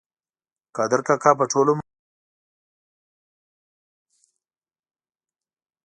قادر کاکا په ټول عمر سوالونه ځواب کړي وو.